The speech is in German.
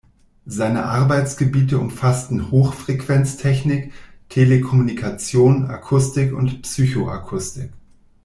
Seine Arbeitsgebiete umfassten Hochfrequenztechnik, Telekommunikation, Akustik und Psychoakustik.